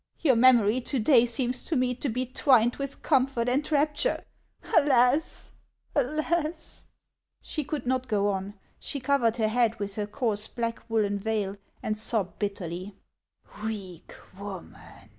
Your memory to day seems to me to be twined with comfort and rapture. Alas .' alas !" She could not go on; she covered her head witli her coarse black woollen veil, and sobbed bitterly. " Weak woman